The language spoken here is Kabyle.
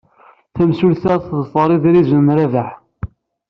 Tamsulta teḍfer idrizen n Rabaḥ.